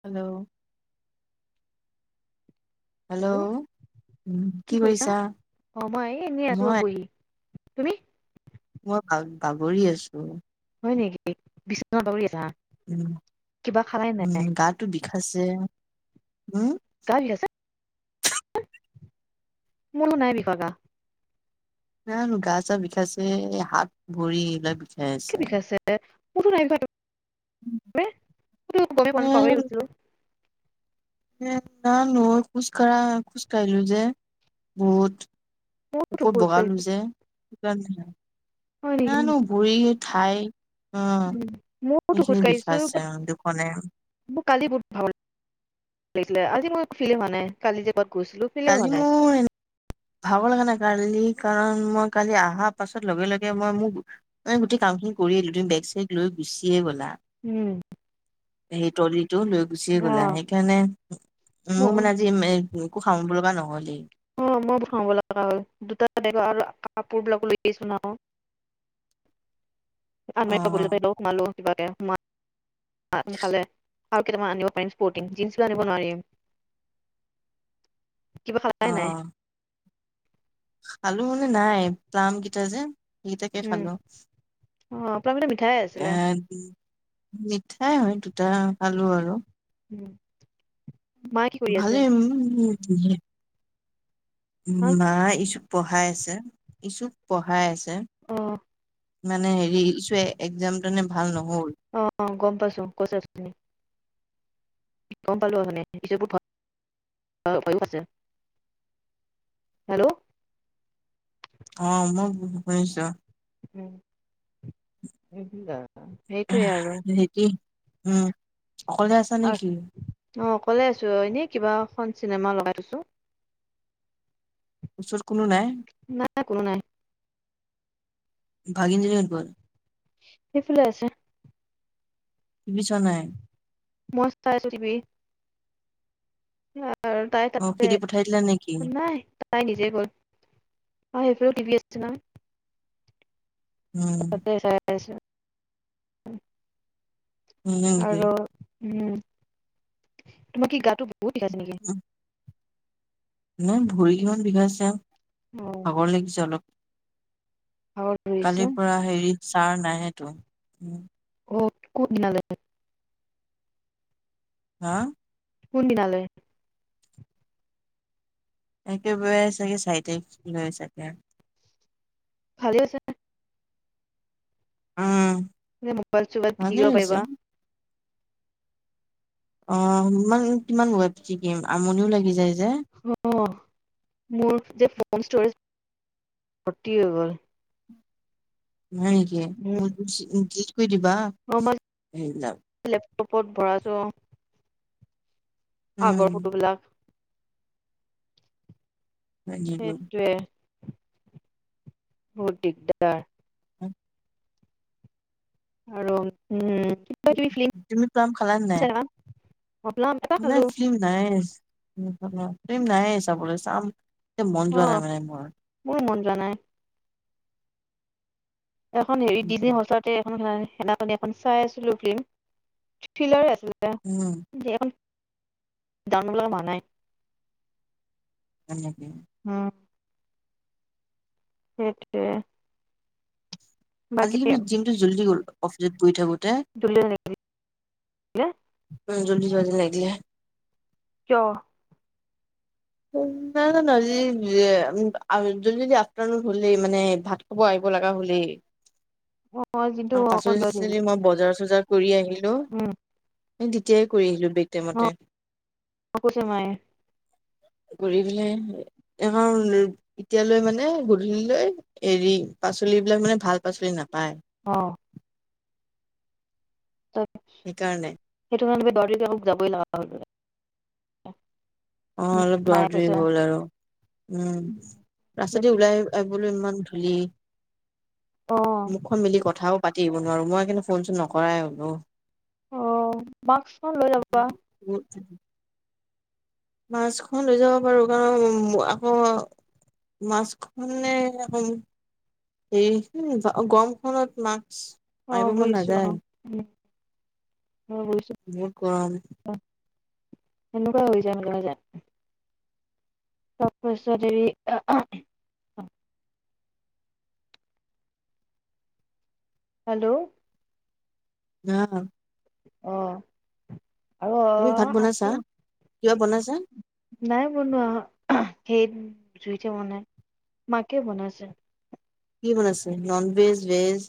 Hello hello উ কি কৰিছা অ মই এনেই আছো ৰব মই বহি। তুমি মই বা বাগৰি আছো। হয় নেকি বিচনাত পৰি আছা উম কিবা খালাই উম নাই? গাতো বিষাইছে উম গা বিষাইছে? মোৰ নাই বিষোৱা গা নাজানো গা চা বিষাইছে হাত ভৰি এইবিলাক কি আছে বিষাইছে কতো নাই গমে পোৱা এ নাই পাহৰি গৈছিলো এ না নই খোজ কঢ়া খোজ কাঢ়িলো যে বহুত মইতো ওপৰত খোজ বগালো কাঢ়িছো। যে গন্ধ জানো গুৰি ঠাই অ উ মইটো খোজ সেইখিনি কাঢ়িছো বিষাইছে ব দুখনে মোৰ কালি বহুত ভাগৰ লিখিলে আজি মোৰ ফিল হোৱা নাই কালি যে গৈছিলো ক্লিয়াৰ কালি হোৱা নাই মোৰ ভাগৰ লগা নাই কালি কাৰণ মই কালি অহাৰ পাছত লগে লগে মই মোক মই গোটেই কাম খিনি কৰি গোটেই বেগ চেগ লৈ গুচিয়ে গ'লা উম সেই ট্ৰলি তটো লৈ গুচিয়ে অ গ'লা সেইকাৰণে উ মোৰ মানে আজি মোকো খাম লগা নহলেই সময় খাব লগা হয় দুটা দেখ আৰু কাপোৰ বিলাকলৈকে লৈ আহিছো ন' অ আমই পাবো লক মালো [unintelligible] কিবাকে সোমাই অঁ খালে আৰু কেইটামান আনিব পাৰিম স্পৰ্টিং জিনছ টো আনিব নোৱাৰিম। খালাই অ নাই টোহে মানে নাই ট্ৰাংক কেইটা যে সেই তাকে উম, খালো অ প্ৰমিতা মিঠাই আছিলে মিঠাই হয় দুটা আলু আৰু [unintelligible] কি কৰি আছে ভালে উম [unintelligible] উম হা নাই পঢ়াই আছে ইছুক পঢ়াই আছে অঁ মানে হেৰি ইছুয়ে এক্সাম তেনে ভাল নহ অ গম পাইছো কৈছে আ গম পালো অথনি যে মোৰ ভণ্টি হৈও আছে হেল্ল' অ মই শুনিছো উম উ সেইটোৱে আৰু হেতি উম অকলে আছা নেকি? অঁ অকলে আছো এনে কিবা এখন চিনেমা লগাই থৈছো ওচৰত কোনো নাই। কোনো নাই ভাগিন জনী কত গল? সেইফালে আছে। টি ভি চোৱা নাই মই চাইছোঁ টি ভি [unintelligible] আৰু তাই অ', তাতে খেদি পঠাই দিলা নেকি? নাই তাই নিজেই গ'ল। অ সেইফালেও টিভি আছে নহয়। উম, তাতে চাই আছে। [inaudible] [unintelligible] উম তোমাৰ কি গাটো বহুত বিষাই আছে নেকি? উম, নাই ভৰি কেইখন বিষাইছে। অ', ভাগৰ লাগিছে অলপ। ভাগৰ ধৰিছে। কালিৰ পৰা হেৰি ছাৰ নাহেটো উম। অ কত মিলালে? হা? কোন দিনালে? একেবাৰে চাগে চাৰি তাৰিখ লৈ চাগে ভালে হইচে। উম, মোবাইল ছবাইল ভালে পিটিকিব হৈছে। পাৰিবা। অ ইমান কিমান ম'বাইল পিতিকিম আমনিও লাগি যায় যে। অ মোৰ যে ফোন ষ্টৰেজ ভৰতি হয় গল। নাই নেকি উম, মোৰ [unintelligible] সোয় দিবা [unintelligible] গ্ৰুপত ভৰাছো। উম, আগৰ ফটো বিলাক। হয় নেকি? সেইটোৱে বহুত দিগদাৰ। হু আৰু উম। কিবা কিবি ফিল্ম তুমি প্লাম খালা নে নাই? চাই থাকা ভাবলাম এটা নাই খালো ফিল্ম নাইয়ে। ফিল্ম নাইয়ে চাবলৈ চাম। এ মন যোৱা নাই অ', মানে মোৰ। মোৰো মন যোৱা নাই। এখন হেৰি [unintelligible] সঁচাতে এখনো খেলা নাই। সেনাখনী এখন চাই আছিলো ফিল্ম থ্ৰিলাৰ আছিল। উম, [unintelligible] [unintelligible] এনেকেই, সেইটোৱে। আজি বাকী কিন্তু জিমটো জল্দি গল। অফিচত গৈ থাকোতে, [unintelligible] উম ', জলি যোৱা যেন লাগিলে। কিয়? নাজানো আজি জল্দি- জল্দি আফটাৰনুন হলে মানে ভাত খাব আহিব লাগা হ'লেই। অ', পাচলি - দিলে চাচলি মই বজাৰ -চজাৰ, কৰি আহিল, হেল্ল', উম সেই তেতিয়াই কৰি আহিলো বেক অ টাইমতে, কৈছে মায়ে কৰি পেলে এ', এতিয়ালৈ মানে গধূলি লৈ এৰি পাচলি বিলাক মানে ভাল পাচলি নাপায়। অহ্ তই, সেই কাৰণে, [unintelligible] অহ ', অলপ দৌৰা মায়ে দৌৰি কৈছে হ'ল আৰু উম', ৰাস্তাদি ওলাই আহিবলৈ ইমান খুলি। অ মুখখন মিলি কথাও। পাতি আহিব নোৱাৰোঁ মই কিন্তু ফোন চোন নকৰাই হ'লো। অহ ', মাস্কখন লৈ লবা [unintelligible] মাস্কখন লৈ যাব পাৰো কাৰণ আকৌ মাস্ক খনে গৰমখনত মা অহ ', বুজিছো অহ ', উম', বুজিছো বহুত গৰম। সেনেকুৱা হৈ যামলহজাত [unintelligible] তাৰপাচত হেৰি [unintelligible] হেল্ল', আহ', অহ ', অ তুমি ভাত অ বনাইছা আছে,, কিবা বনাইছা নাই বনোৱা। সেই জুইতে বনাই, মাকে বনাইছে। কি বনাইছে? Non veg, veg?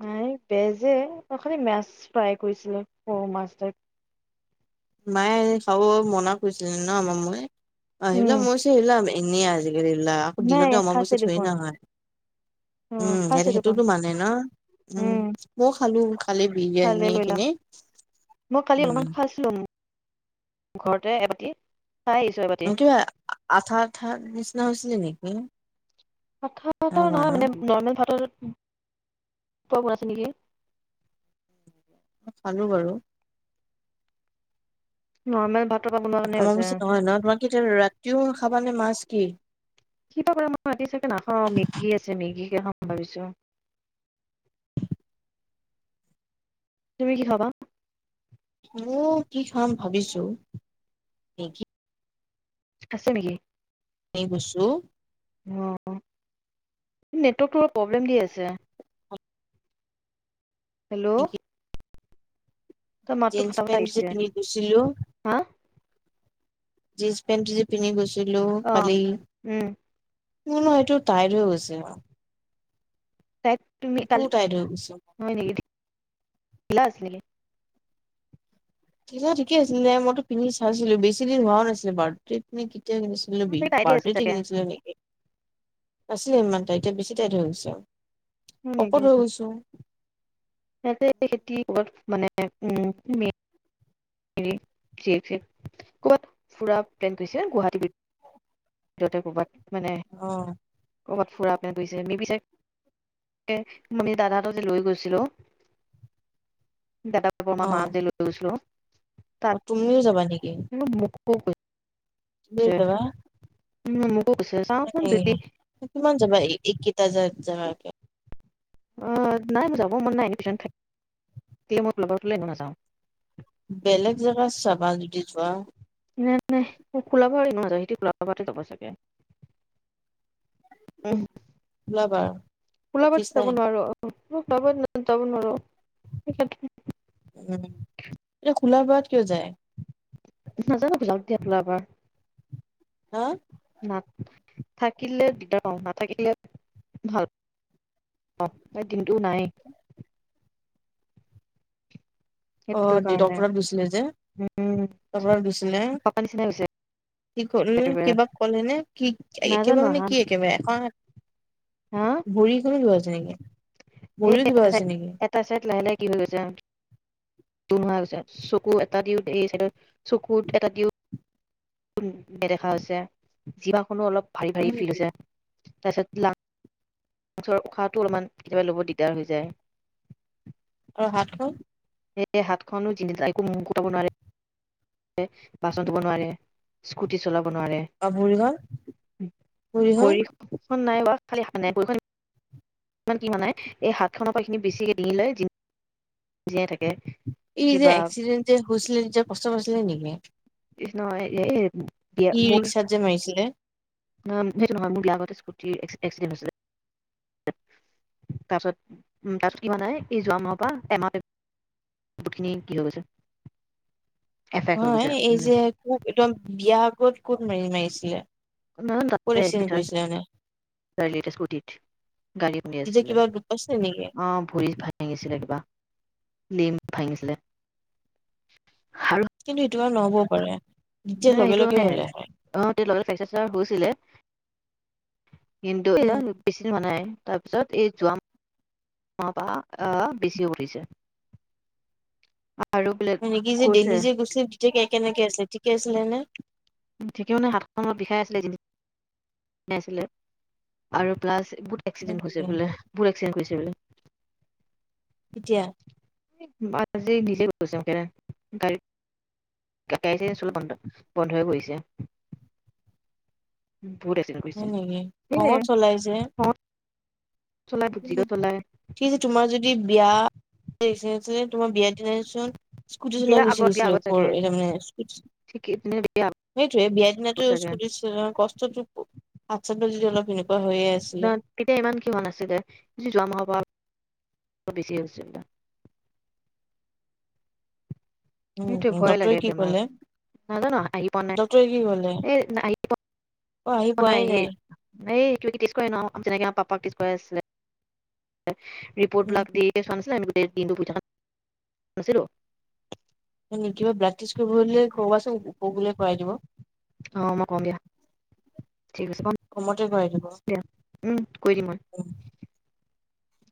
নাই বেজে ত খালি মাছ ফ্ৰাই কৰিছিলে সৰু মাছ তাইপ। মায়ে খাব মনা কৰিছিলে ন মময়ে। আহিল উম মোৰছে [unintelligible] আহিলা আমি। ইনে আজি। [unintelligible] এৰিলা খুধি লওঁ নাই দিওক খাইছে অমাৱস্যা থৰি দেখোন না হয়। উম', খাইছে দেখোন সেইটোতো মানে ন? উম ', মইয়ো খালো। কালি ভালে বিৰিয়ানী কৰিলা খিনি মই কালি অমান উম খাইছিলো ন [unintelligible] ঘৰতে এবাতি। খাই আহিছো এবাতি কিবা আঠা- আঠাৰ নিচিনা হৈছিলে নি? হম। কথা পতা নহয় মানে নৰ্মেল ভাত। উম', পছে নকি [unintelligible] চালো বাৰু। নৰ্মেল ভাত। অমাৱস্যা নহয় ন তোমালোকে এতিয়া ৰাতিও খাব মানে মাছ কি? কিবা কৰে মই ৰাতি চাগে নাখাও মেগী আছে মেগীকে খাম ভাবিছো। তুমি কি খাবা? মই কি খাম ভাবিছো? মেগি আছে নেকি? সেই গুচো। অহ ', নেটৱৰ্কটো অলপ প্ৰব্লেম দি আছে। [unintelligible] হেল্ল', তই মাতটো জীন্স ফটা ফটা -পেণ্ট যে আহিছে পিন্ধি গৈছিলো, হা জিনচ-পেণ্টটো যে পিন্ধি গৈছো, দিলো অ কালি উম মোৰ ন', এইটো টাইট হৈ গৈছে। [unintelligible] তাইক তুমি এইটোও কালি, টাইট হৈ গৈছে হয় নেকি? - ধিলা আছিল নেকি? তেতিয়া ঠিকে আছিলে, মইতো পিন্ধি চাইছিলো বেছি দিন হোৱাও নাছিলে বাৰ্থডতে নে, কেত, -তিয়া কিনছিলো অ', চাগে তাইৰে আছিল বাৰ্থডেতে চাগে হয় কিনিছিলো নেকি, আছিলে ইমান টাইটে, বেছি টাইটহৈ গৈছে আৰু। নেকি শকত হৈ গৈছো। [unintelligible] [unintelligible] তাতে ক'ৰবাত, মানে অ, ' [unintelligible] দাদা, পাপা, অ মামাহতক যে লৈ গৈছিলো। অ তাত তুমিও যাবা নেকি? [unintelligible] কৈছে বুইছা উম কৈছে চাওঁচোন যদি উ কিমান যাবা এইকেইটাত যাগাতে, অ নাই মোৰ যাব মন নাই টিউচন। থাকিলে লগতে লৈ এনেও মই ঘৰ নাযাওঁ বেলেগ জেগাত চাবা যোৱা নাই নাই মোক ফুলাবই নোৱাৰে। তা যাব চাগে উ [unintelligible] ওলাবা ওলাব অফিচ যাব নাই নোৱাৰো অ। মোক পাব যাব নোৱাৰো উম। খোলা বাত কিয় যায়? নাজানো এইবিলাকে [unintelligible] হা না থাকিলে দিকদাৰ পাও, নাথাকিলে ভাল পাওঁ। টো নাই অ সেইটো দে কাৰণে ডক্টৰত গৈছিলে যে, উম ডক্টৰত গৈছিলে। পাপা নিচিনা হৈছে কি কল একেবাৰে কিবা ক'লে নে? কি একেবাৰে নাজানো মানে হা কি একেবাৰে এখন বুৰি কলৈ গ'ল যে [unintelligible] এ এটা চাইট, এটা চাইট লাহে লাহে কি হৈছে। নোহছে চকু এটা দিওঁ এই চকুত এটা দিওঁ। নেদেখা হৈছে। যিভা খনো অলপ ভাৰি হয় ভাৰি ফিল নেকি? হৈছে। তাৰপিছত লা লাংচৰ উশাহটো অলপমান কেতিয়াবা ল'ব দিগদাৰ হৈ যায়। আৰু হাতখন? সয়ে হাতখননো একো ম খুৱাব নোৱাৰে বাচন ধুব নোৱাৰে [unintelligible] স্কুটি চলাব বা ভৰিখন ভৰিখন নাই বা, ালানে [unintelligible] ইমান কি হোৱা নাই এই হাত খনৰ পৰাখিনি বেছিকে ডিঙি লৈ জীয়াই থাকে। এই যে কিবা এক্সিডেণ্ট হৈছিলে যে কষ্ট পাইছিলে নেকি? কষ্ণ এই বিয়া ই মোৰ ৰি্সা যে মাৰিছিলে সেইটো নহয় মোৰ বি আগতে স্কুটিৰ এক্সিডেণ্টছিল তাৰপাছত তাত কি নাই এই যোৱা মাহৰ পৰা এমাহ সখিনি কি হ' গৈছে এফেক্ট হৈ হয় গৈছে এই যে উম খু একদম বিয়া আগত কত মেলি মেলিছিলে [unintelligible] স্কতীত গালি খুন্দি তেতিয়া আছিলে কিবা দুখ পাইছিলে নেকি? অ ভৰিত ভাল ভাঙিছিলে কিবা লম ভাঙিছিলে কিন্তু আৰু নহ'বও পাৰে তেতিয়া নাই লগে সেইটো লগে নে হ'লে হয়। অ এ লগত স চ হৈছিলে কিনটো এয়া উম, বেছিদিন হোৱা নাই তাৰ পিছত এই যোৱা মাপ আহ বেছিও পৰিছে আৰু বোলে মানে কি যে কৈছে ডেলি যে গুছে ঠিকে কেনেকৈ আছিলে ঠিকে আছিলে নে যেতিয়া মানে হাতখন অলপ বিষাই আছিলে জিনজিনাই আছিলে আৰু প্লাছ বহুত হয় এক্সিডেণ্ট হৈছে নেকি? বোলে বহুত এক্সিডেণ্ট হৈছে বোলে এতিয়া অঁ আজি নিজেই গৈছো সেইকাৰণে গাড়ীত গাড়ী চাৰী চলাওঁনে বন্ধ হৈ পৰিছে বহুত এক্সিডেণ্ট হৈ হয় ফুৰিছে নেকি সেইয়ে অঁ উ ঠিক আছে তোমাৰ যদি যদি বিয়া তোমাৰ বিয়াত চোন স্কুটি চলাই বিয়াৰ গুচি আগত বিয়াৰ গৈছিলে আগত ওপৰ চাগে তাৰমানে্ ঠিক বিয়াৰ সেইটোয়ে বিয়াৰ দিনাতো আগত চাগে স্কুটি চ কষ্টটো হাত চাত যদি অলপ সেনেকুৱা হৈয়ে আছিলে তেতিয়া ইমান কি হোৱা নাছিলে যোৱা মাহৰ পৰা বেছি হৈছিলে সেইটো উম ভয় ডক্তৰে লাগে কি বেমাৰ ক'লে নাজানো আহি পোৱা নাই ডক্তৰে কি ক'লে এই আহি অ আহি প নাই পোৱাই হ এই এনেকে পিছুৱাই ন' যেনেকে আমাৰ পাপাক পিছুৱাই আছিলে ৰিপৰ্ট বিলাক দি চোৱা নাছিলে দিনটো শুই থকা কোৱা নাছিলো হয় নেকী কিবা ব্লাড টেষ্ট প্ৰাকটছ কৰিব হলে কৰোৱা অ চোন মই কম অঁ দিয়া বোলে কৰাই দিব ঠিক আছে কম কমতে কৰাই দিম দিয়া উম কৈ দিম মই।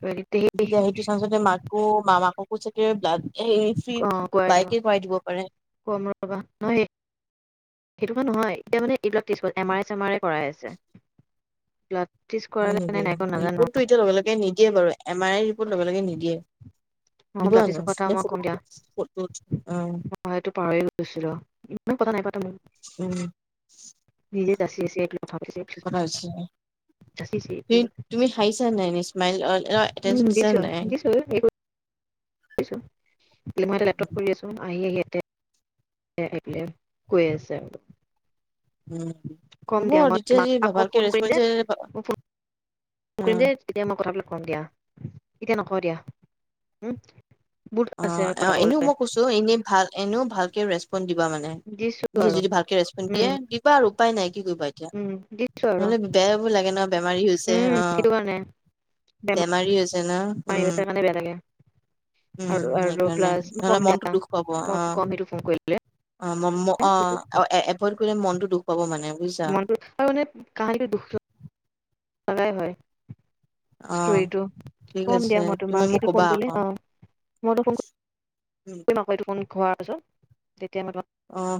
কৈ দিম তে সেই তেতিয়া সেইটো চাঞ্চতে মাক কো মামাককো মোৰ চাগে দাঁত এই অ ফ্ৰীত কৰাই দিম বাইকে কৰাই দিব পাৰে। কম ৰবা নহয় সেই- সেইটো ক নহয় এতিয়া মানে এইবিলাক কিছুমান M R A same R এ কৰাই আছে এইবিলাক হয় নেকি ৰিপতটো ইতিয়া লগে লগে নিদ দিয়ে বাৰু এম আৰই ৰিপৰ্ট লগে লগে নিদিয়ে ম দিব ৰাতি জানো চব কথা নে মই ফটো কম দিয়া ফটো অ মই এইটো পাহৰিয়ে গৈছিলো। পতা নাই পাত উ উম নিজেত যাচি যাচি এক - কৰা হৈছে তুমি [unintelligible] তুমি হাঁহিছা নাই এনে স্মাইল উম এটেনচন দিছা দিছো নাই দিছো দিছো মই এটা লেপটপ কৰি আছো আহি আহি ইয়াত- [unintelligible] কৈ আছে উম, কম হ'ব দিয়া মই যেতিয়া তোমাক যদি আকৌ ভাবাকে ফোন কৰিম যে ৰেচপঞ্চে পাবা। মই ফোন [unintelligible] মই কথা [unintelligible] কম দিয়া। এতিয়া নকওঁ দিয়া। উম। বহুত অহ, আছে কথা অহ এনেও কবলৈ মই কৈছোঁ, এনেই ভাল, এনেও ভাল। কে ৰেচপঞ্চ দিব- লোৱা মানে। দিছো পিছত আৰু যদি ভালকে ৰেস্পঞ্চ দিয়ে, উম দিবা আৰু উপায় নাই কি কৰিবা এতিয়া। উম দিছো আৰু নহ'লে বেয়াও লাগে ন বেমাৰী হৈছে। উম অহ। সেইটো কাৰণে বেমাৰী হৈছে- ছে ন বেমাৰী উম হৈছে কাৰণে বেয়া লাগে উম আৰু আৰু সেইকাৰণে, প্লাছ মই নহ'লে কম দিয়া মনটো দুখ পাব, মই অহ। কম সেইটো ফোন কৰিলে অহ ম ম অহ, অহ এ এভইড কৰিলে মনটো দুখ পাব মানে বুজিছা। মনটো লাগাই হয়। অ ষ্টৰীটো। ঠিক কম আছে দিয়া মই তুমি তোমাক মোক এইটো কবা ফোন কৰিলে আকৌ অ। মই [unintelligible] ফোন কৰিম আৰু এইটো ফোন খোৱাৰ পিছত তেতিয়া মই তোমাক - অহ